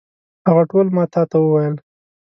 هغه ټول ما تا ته وویل.